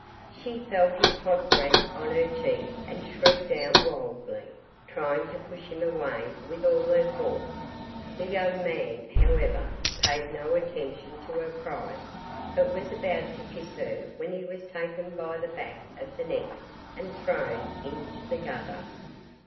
She felt his hot breath on her cheek and shrieked out wildly, trying to push him away with all her force. The young man, however, paid no attention to her cries, but was about to kiss her when he was taken by the back of the neck and thrown into the gutter.